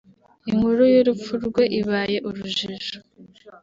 Inkuru y’urupfu rwe ibaye urujijo